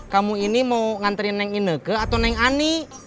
kamu ini mau nganterin yang ini ke atau yang ini